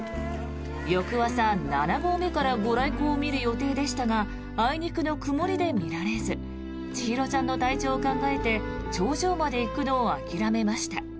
翌朝、７合目からご来光を見る予定でしたがあいにくの曇りで見られず千尋ちゃんの体調を考えて頂上まで行くのを諦めました。